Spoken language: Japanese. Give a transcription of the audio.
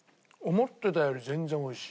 思ってたより全然おいしい。